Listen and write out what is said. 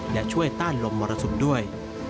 และช่วยต้านลมมรสุมด้วย